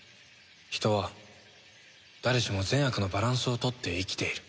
人は誰しも善悪のバランスをとって生きている。